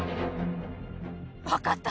わかった。